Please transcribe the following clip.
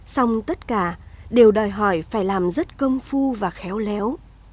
xong tất cả đều đòi hỏi phải làm rất công phu và khéo léo